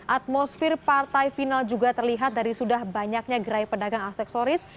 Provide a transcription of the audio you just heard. atmosfer partai final juga terlihat dari sudah banyaknya gerai pedagang aksesoris